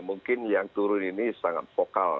mungkin yang turun ini sangat vokal